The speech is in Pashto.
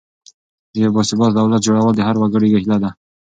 د یو باثباته دولت جوړول د هر وګړي هیله ده.